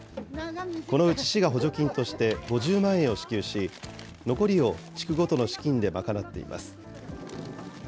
このうち市が補助金として５０万円を支給し、残りを地区ごとの資金で賄っています。